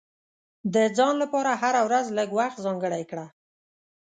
د ځان لپاره هره ورځ لږ وخت ځانګړی کړه.